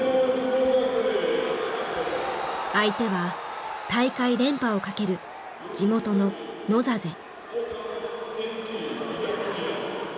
相手は大会連覇をかける地元のノザゼ。